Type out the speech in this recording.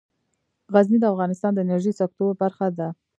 غزني د افغانستان د انرژۍ سکتور برخه ده.